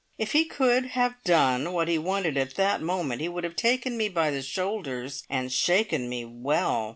If he could have done what he wanted at that moment, he would have taken me by the shoulders and shaken me well.